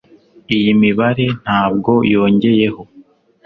Iyi mibare ntabwo yongeyeho